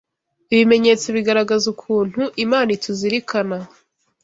ibimenyetso bigaragaza ukuntu Imana ituzirikana